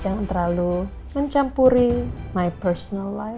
jangan terlalu mencampuri kehidupan pribadi saya